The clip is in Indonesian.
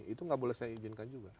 itu nggak boleh saya izinkan juga